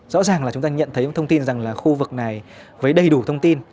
rõ ràng là chúng ta nhận thấy thông tin rằng là khu vực này với đầy đủ thông tin